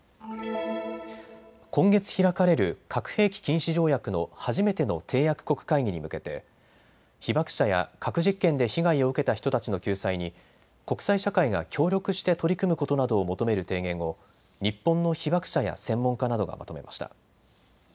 今月開かれる核兵器禁止条約の初めての締約国会議に向けて被爆者や核実験で被害を受けた人たちの救済に国際社会が協力して取り組むことなどを求める提言を日本の被爆者や専門家などがまとめました。